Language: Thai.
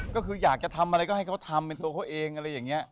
ก็คืออยากจะทำอะไรก็ให้เขาทำเป็นตัวเขาเองอะไรอย่างนี้